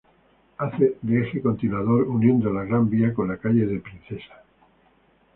Hace de eje continuador uniendo la Gran Vía con la calle de la Princesa.